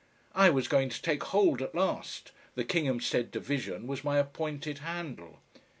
I was going to "take hold" at last, the Kinghamstead Division was my appointed handle.